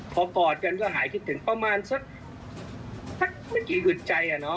พอกอดกันก็หายคิดถึงประมาณสักสักไม่กี่วิทย์ใจ